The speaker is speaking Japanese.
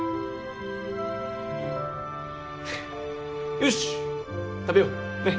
よし食べよねっ。